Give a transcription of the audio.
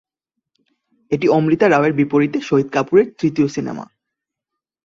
এটি অমৃতা রাওয়ের বিপরীতে শহীদ কাপুরের তৃতীয় সিনেমা।